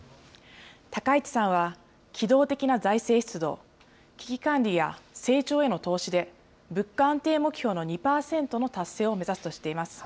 高市さんは、機動的な財政出動、危機管理や成長への投資で物価安定目標の２％の達成を目指すとしています。